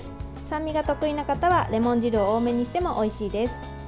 酸味が得意な方はレモン汁を多めにしてもおいしいです。